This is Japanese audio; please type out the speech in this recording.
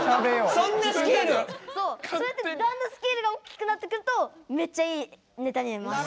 そうそうやってだんだんスケールが大きくなってくるとめっちゃいいネタになります。